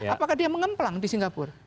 apakah dia mengemplang di singapura